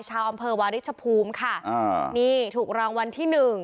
ชาวอำเภอวาริชภูมิค่ะอ่านี่ถูกรางวัลที่หนึ่ง